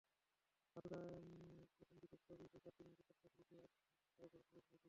হাতুড়ে অবেদনবিদের সহযোগিতায় সাত দিন আগে পদ্মা ক্লিনিকে অ্যাপেন্ডিসাইটিসের অস্ত্রোপচার হয়েছিল তাঁর।